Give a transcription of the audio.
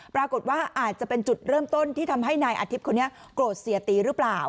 ปรากฏว่าอาจจะเป็นจุดเริ่มต้นที่ทำให้นายอาทิตย์คนนี้โกรธเสียตีหรือเปล่า